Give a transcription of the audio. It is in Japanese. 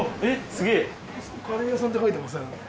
カレー屋さんって書いてますね。